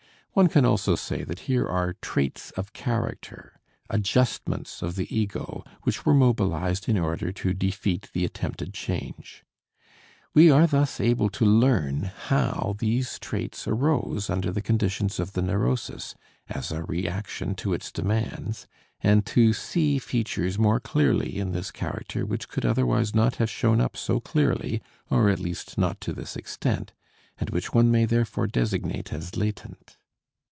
One can also say that here are traits of character, adjustments of the ego which were mobilized in order to defeat the attempted change. We are thus able to learn how these traits arose under the conditions of the neurosis, as a reaction to its demands, and to see features more clearly in this character which could otherwise not have shown up so clearly or at least not to this extent, and which one may therefore designate as latent.